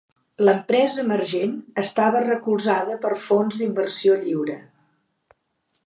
L'empresa emergent estava recolzada per fons d'inversió lliure.